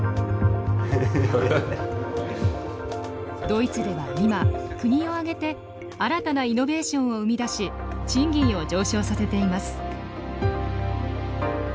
ドイツでは今国を挙げて新たなイノベーションを生み出し賃金を上昇させています。